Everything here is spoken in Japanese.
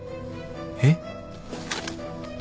えっ？